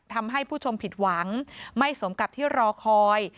ทำให้ผู้ชมผิดหวังไม่สมกับที่รอคอย